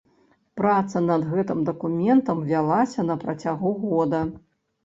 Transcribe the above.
Праца над гэтым дакументам вялася на працягу года.